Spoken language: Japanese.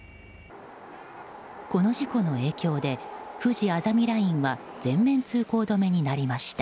この事故の影響でふじあざみラインは全面通行止めになりました。